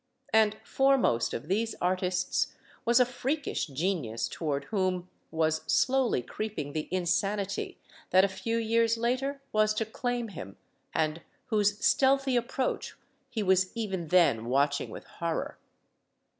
And foremost of these artists was a freakish genius toward whom was slowly creeping the insanity that a few years later was to claim him, and whose stealthy approach he was even then watching with horror.